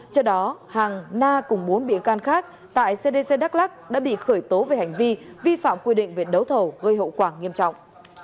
trước đó hàng na cùng bốn bị can khác tại cdc đắk lắc đã bị khởi tố về hành vi vi phạm quy định về đấu thầu gây hậu quả nghiêm trọng